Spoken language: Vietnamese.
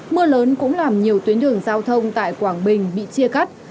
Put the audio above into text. mưa lớn cũng làm nhiều tuyến đường giao thông tại quảng bình bị chia cắt